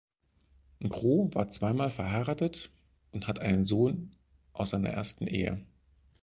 Groh war zwei Mal verheiratet und hat einen Sohn aus seiner ersten Ehe.